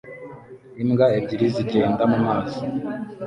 Imbwa ebyiri zigenda mumazi